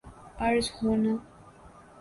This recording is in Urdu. عرض ہونا